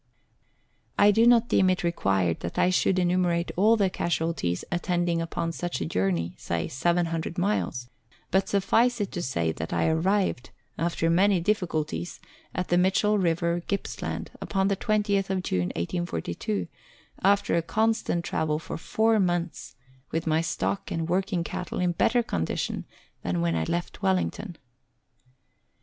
I do not deem it required that I should enumerate all the casualties attending upon such a journey (say 700 miles), but suffice it to say that I arrived, after many difficulties, at the Mitchell River, Gippsland, upon the 20th June 1842, after a constant travel of four months, with my stock and working cattle in better condition than when I left Wellington.